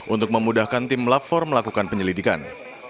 untuk memudahkan tim lapor melakukan penyelidikan